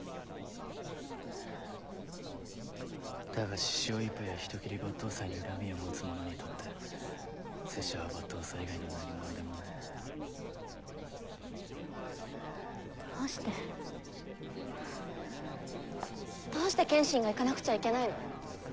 だが志々雄一派や人斬り抜刀斎に恨みを持つ者にとって拙者は抜刀斎以外の何者でもない。どうしてどうして剣心が行かなくちゃいけないの？